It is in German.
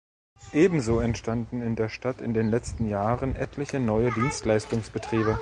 Ebenso entstanden in der Stadt in den letzten Jahren etliche neue Dienstleistungsbetriebe.